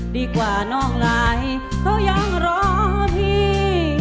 ดีกว่าน้องลายเขายังรอพี่